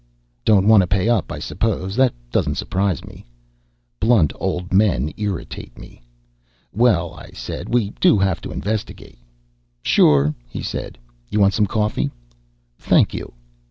"Don't want to pay up, I suppose. That doesn't surprise me." Blunt old men irritate me. "Well," I said, "we do have to investigate." "Sure," he said. "You want some coffee?" "Thank you."